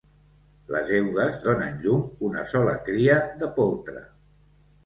Les eugues donen llum una sola cria de poltre.